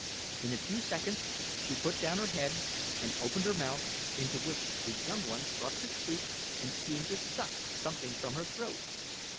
In a few seconds she put down her head and opened her mouth, into which the young one thrust its beak and seemed to suck something from her throat.